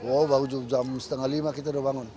oh baru jam setengah lima kita udah bangun